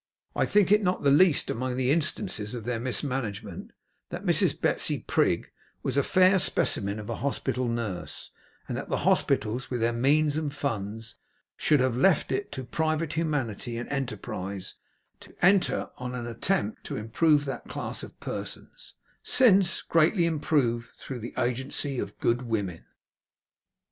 I think it not the least among the instances of their mismanagement, that Mrs Betsey Prig was a fair specimen of a Hospital Nurse; and that the Hospitals, with their means and funds, should have left it to private humanity and enterprise, to enter on an attempt to improve that class of persons since, greatly improved through the agency of good women.